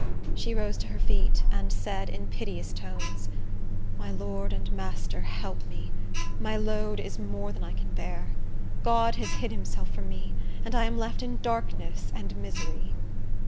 She rose to her feet, and said, in piteous tones, "My Lord and Master, help me! My load is more than I can bear. God has hid himself from me, and I am left in darkness and misery."